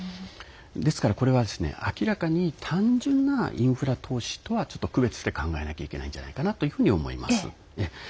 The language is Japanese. ですから、これは明らかに単純なインフラ投資とは区別して考えなきゃいけないんじゃないかなと思います。